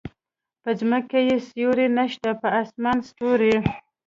په ځمکه يې سیوری نشته په اسمان ستوری